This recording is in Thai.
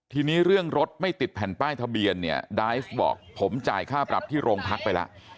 ทีนี้เรื่องรถไม่ติดแผ่นป้ายทะเบียนเนี่ยไดฟ์บอกผมจ่ายค่าปรับที่โรงพักไปแล้ว